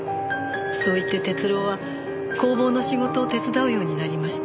そう言って徹郎は工房の仕事を手伝うようになりました。